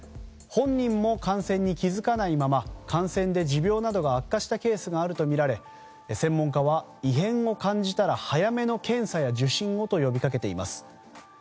本人も感染に気付かないまま感染で持病などが悪化したケースがあるとみられ、専門家は異変を感じたら早めの検査や受診をと呼びかけています。